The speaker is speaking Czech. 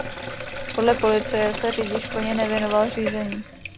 Podle policie se řidič plně nevěnoval řízení.